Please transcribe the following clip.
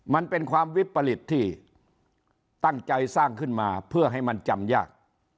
มันเป็นความวิปริตที่ตั้งใจสร้างขึ้นมาเพื่อให้มันจำยาก